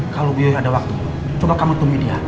kalau beliau yang ada waktu coba kamu temui dia